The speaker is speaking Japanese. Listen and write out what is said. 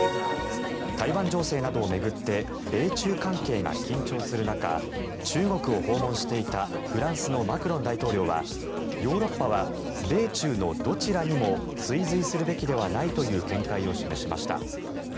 台湾情勢などを巡って米中関係が緊張する中中国を訪問していたフランスのマクロン大統領はヨーロッパは米中のどちらにも追随するべきではないという見解を示しました。